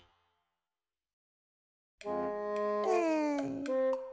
うん。